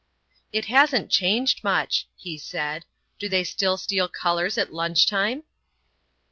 "It hasn't changed much," he said. "Do they still steal colours at lunch time?"